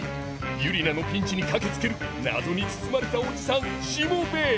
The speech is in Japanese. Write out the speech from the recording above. ユリナのピンチに駆けつける謎に包まれたおじさんしもべえ。